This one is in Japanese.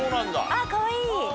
あっかわいい！